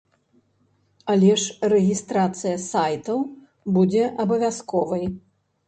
Але ж рэгістрацыя сайтаў будзе абавязковай.